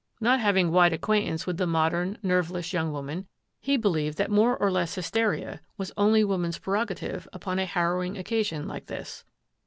Not having wide acquaintance with the modem, nerveless young woman, he believed that more or less hysteria was only woman's prerogative upon a harrowing oc casion like this.